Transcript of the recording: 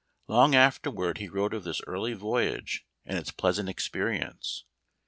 Long afterward he wrote of this early age and its pleasant experience.